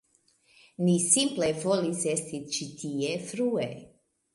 Ni simple volis esti ĉi tie frue